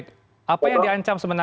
tapi malah mengancam mancam